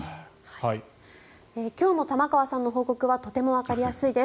今日の玉川さんの報告はとてもわかりやすいです。